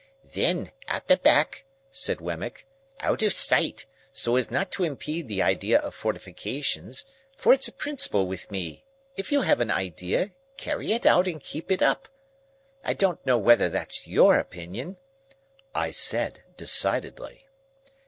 "Then, at the back," said Wemmick, "out of sight, so as not to impede the idea of fortifications,—for it's a principle with me, if you have an idea, carry it out and keep it up,—I don't know whether that's your opinion—" I said, decidedly.